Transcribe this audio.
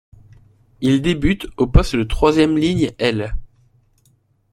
Il débute au poste de troisième ligne aile.